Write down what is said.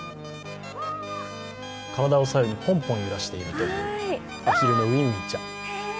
体を左右にぽんぽん揺らしているというアヒルのウィンウインちゃん。